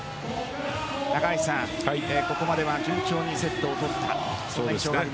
中垣内さん、ここまでは順調にセットを取りました。